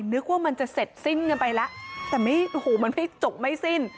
นึกว่ามันจะเสร็จสิ้นกันไปแล้วแต่ไม่โอ้โหมันไม่จบไม่สิ้น